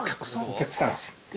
お客さん。